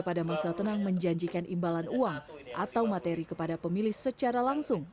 pada masa tenang menjanjikan imbalan uang atau materi kepada pemilih secara langsung